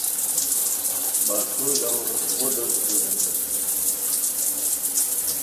باچھو ژاؤو ہیس بو لوٹ لو ریتائے